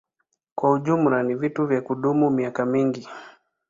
Kwa jumla ni vitu vya kudumu miaka mingi.